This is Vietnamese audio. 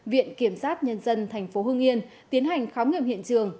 viện kiểm sát nhân dân thành phố hưng yên tiến hành khám nghiệm hiện trường